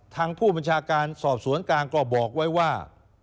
ทางผู้บัญชาการสอบสวนกลางก็บอกไว้ว่า